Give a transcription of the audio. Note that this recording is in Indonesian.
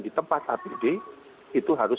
di tempat apd itu harus